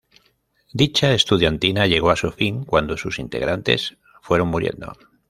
Dicha estudiantina llegó a su fin cuando sus integrantes fueron muriendo.